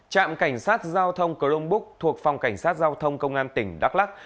trạm cảnh sát giao thông cờ lông búc thuộc phòng cảnh sát giao thông công an tỉnh đắk lắc